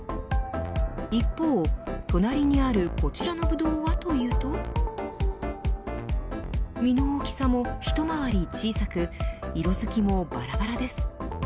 一方、隣にあるこちらのブドウはというと実の大きさも一回り小さく色づきも、ばらばらです。